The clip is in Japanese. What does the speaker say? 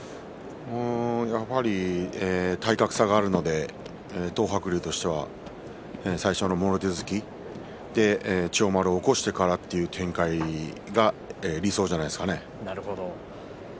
やはり体格差があるので東白龍としては最初のもろ手突きで千代丸を起こしてからという展開が理想じゃないですかね。